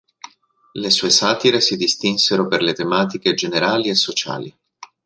Le sue satire si distinsero per le tematiche generali e sociali.